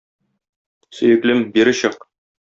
Сөеклем, бире чык.